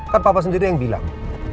kan papa sendiri yang bilang